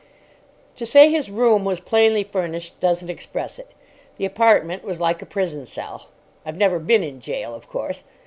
To say his room was plainly furnished doesn't express it. The apartment was like a prison cell. I've never been in gaol, of course.